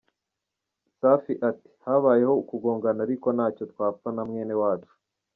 Safi ati’Habayeho ukugongana ariko ntacyo twapfa na mwene wacu’.